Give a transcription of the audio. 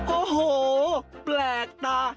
โอ้โหแปลกตา